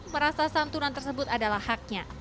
merasa santunan tersebut adalah haknya